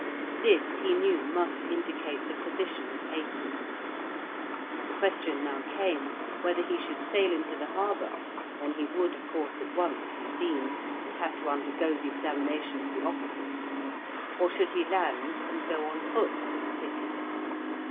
This he knew must indicate the position of Aisi. The question now came, whether he should sail into the harbour, when he would, of course, at once be seen, and have to undergo the examination of the officers; or should he land, and go on foot to the city?